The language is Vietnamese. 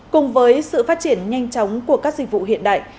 cùng với sự phát triển nhanh chóng của các dịch vụ hiện đại